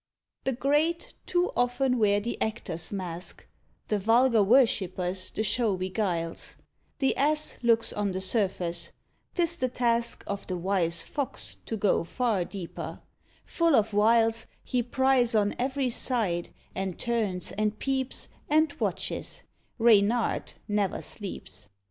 The great too often wear the actor's mask; The vulgar worshippers the show beguiles; The ass looks on the surface; 'tis the task Of the wise Fox to go far deeper; full of wiles, He pries on every side, and turns, and peeps, And watches Reynard never sleeps.